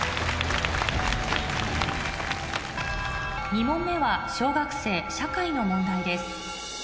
２問目は小学生社会の問題です